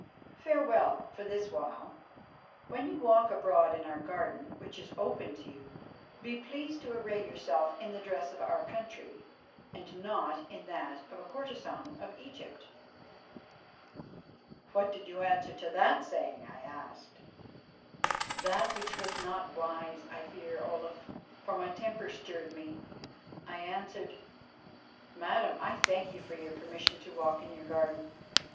Farewell for this while. When you walk abroad in our garden, which is open to you, be pleased to array yourself in the dress of our country, and not in that of a courtesan of Egypt.'" "What did you answer to that saying?" I asked. "That which was not wise, I fear, Olaf, for my temper stirred me. I answered: 'Madam, I thank you for your permission to walk in your garden.